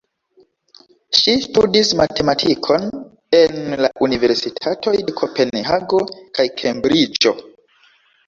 Ŝi studis matematikon en la universitatoj de Kopenhago kaj Kembriĝo.